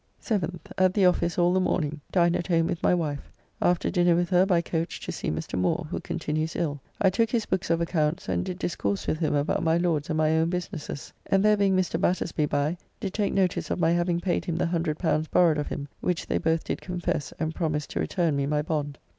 7th. At the office all the morning, dined at home with my wife. After dinner with her by coach to see Mr. Moore, who continues ill. I took his books of accounts, and did discourse with him about my Lord's and my own businesses, and there being Mr. Battersby by, did take notice of my having paid him the L100 borrowed of him, which they both did confess and promise to return me my bond.